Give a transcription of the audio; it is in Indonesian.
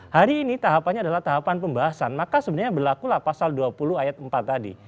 hari ini tahapannya adalah tahapan pembahasan maka sebenarnya berlakulah pasal dua puluh ayat empat tadi